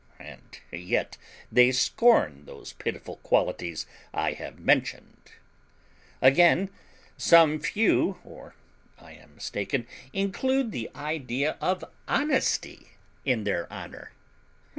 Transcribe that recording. and yet they scorn those pitiful qualities I have mentioned. Again, some few (or I am mistaken) include the idea of honesty in their honour.